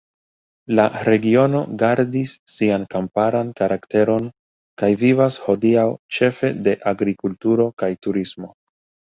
La regiono gardis sian kamparan karakteron kaj vivas hodiaŭ ĉefe de agrikulturo kaj turismo.